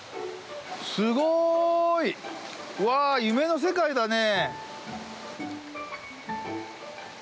すごい！わあ、夢の世界だね。